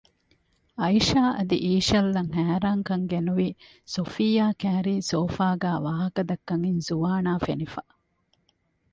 އައިޝާ އަދި އީޝަލްއަށް ހައިރާންކަން ގެނުވީ ސޮފިއްޔާ ކައިރީ ސޯފާގައި ވާހަކަދައްކަން އިން ޒުވާނާ ފެނިފަ